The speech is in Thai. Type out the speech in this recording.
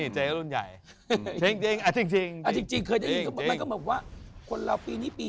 ใช่ไหมพี่